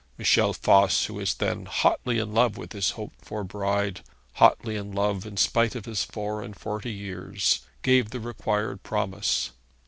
Michel Voss, who was then hotly in love with his hoped for bride hotly in love in spite of his four and forty years gave the required promise.